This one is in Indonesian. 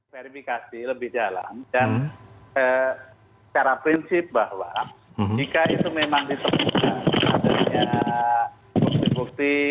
verifikasi lebih jalan dan secara prinsip bahwa jika itu memang ditemukan adanya bukti bukti